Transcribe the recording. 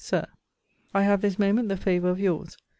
SIR, I have this moment the favour of your's.